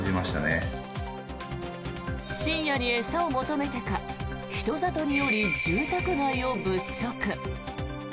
深夜に餌を求めてか人里に下り、住宅街を物色。